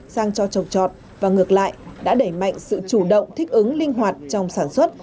sang cho trồng trọt và ngược lại đã đẩy mạnh sự chủ động thích ứng linh hoạt trong sản xuất